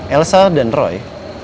elsa dan roy